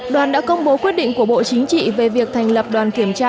đoàn đã công bố quyết định của bộ chính trị về việc thành lập đoàn kiểm tra